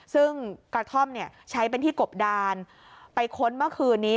ซึ่งกระท่อมใช้เป็นที่กบดานไปค้นเมื่อคืนนี้